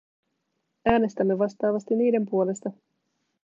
Äänestämme vastaavasti niiden puolesta.